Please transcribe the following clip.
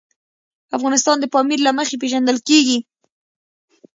افغانستان د پامیر له مخې پېژندل کېږي.